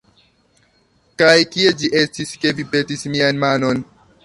Kaj kie ĝi estis, ke vi petis mian manon?